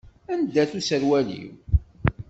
Anda-t userwal-iw?